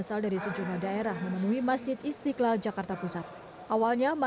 tapi di segmen berikutnya kami akan segera kembali suatu lagi